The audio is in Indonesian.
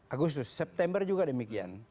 agustus september juga demikian